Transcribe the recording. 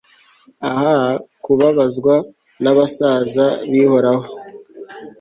Ah kubabazwa nabasaza bihoraho